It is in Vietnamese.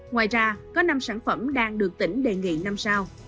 ngoài ra có năm sản phẩm đang được tỉnh đề nghị năm sao